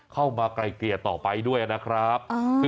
ไกลเกลี่ยต่อไปด้วยนะครับ